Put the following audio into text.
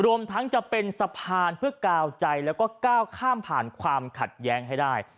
รวมทั้งจะเป็นสะพานเพื่อกาวใจแล้วก็ก้าวข้ามผ่านความขัดแย้งให้ได้